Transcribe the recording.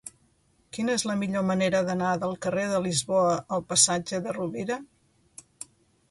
Quina és la millor manera d'anar del carrer de Lisboa al passatge de Rovira?